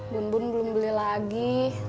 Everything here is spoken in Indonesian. bun bun belum beli lagi